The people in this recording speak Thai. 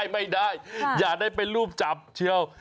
ไม่ได้อย่าได้เป็นรูปจับเชียว